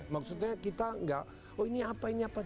maksudnya kita nggak oh ini apa ini apa